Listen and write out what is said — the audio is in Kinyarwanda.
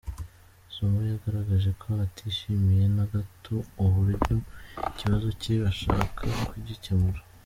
Zuma yagaragaje ko atishimiye na gato uburyo ikibazo cye bashaka kugikemura.